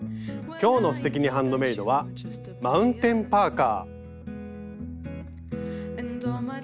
今日の「すてきにハンドメイド」は「マウンテンパーカー」。